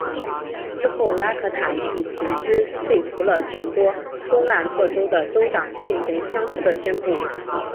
之后拉可塔亦随之说服了众多东岸各州的州长进行相同的宣布。